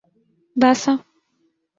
باسا